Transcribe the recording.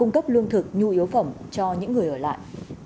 khẩm cho những người ở lại